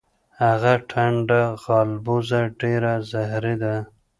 هغه ټنډه غالبوزه ډیره زهری ده.